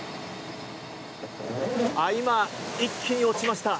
今、一気に落ちました。